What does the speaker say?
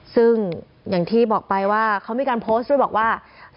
ซึ่งอย่างที่บอกไปว่าเขามีการโพสต์ด้วยบอกว่า